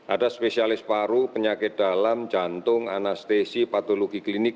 ada spesialis paru penyakit dalam jantung anestesi patologi klinik